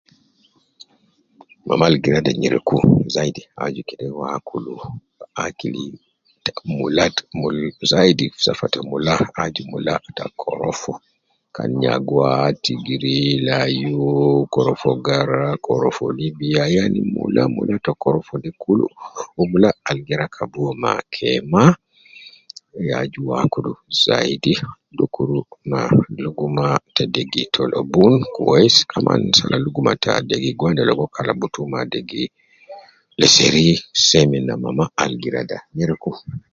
Mama al gi rada nyereku zaidi aju kede uwo akulu akili ta mula ta mul zaidi fi safa ta mula aju mulabta korofo kan nyagua tigiri layu korofo gara korofo libiya yani mula mula ta korofo de kul wu mula al gi rakab uwo ma kema ya aju uwo akulu zaidi dukuru ma luguma te degi tolobun gi kun kwesi dukur sala luguma te degi gwanda ligo kalabtu me degi lisheri gi kun seme ne mama al gi rada nyereku